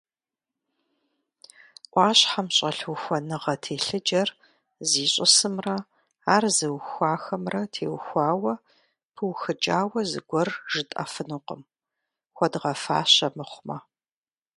Ӏуащхьэм щӀэлъ ухуэныгъэ телъыджэр зищӀысымрэ ар зыухуахэмрэ теухуауэ пыухыкӀауэ зыгуэр жытӀэфынукъым, хуэдгъэфащэ мыхъумэ.